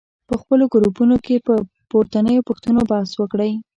په خپلو ګروپونو کې پر پورتنیو پوښتنو بحث وکړئ.